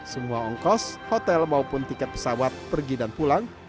semua ongkos hotel maupun tiket pesawat pergi dan pulang